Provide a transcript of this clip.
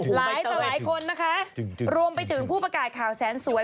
หลายต่อหลายคนนะคะรวมไปถึงผู้ประกาศข่าวแสนสวย